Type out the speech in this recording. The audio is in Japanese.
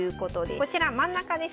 こちら真ん中ですね。